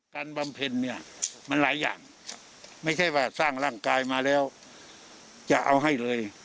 บำเพ็ญเนี่ยมันหลายอย่างไม่ใช่ว่าสร้างร่างกายมาแล้วจะเอาให้เลย